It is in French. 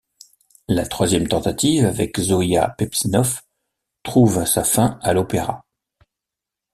La troisième tentative avec Zoïa Pepsinov trouve sa fin à l’opéra.